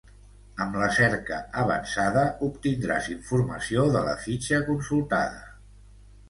Amb la cerca avançada, obtindràs informació de la fitxa consultada.